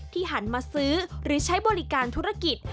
หันมาซื้อหรือใช้บริการธุรกิจ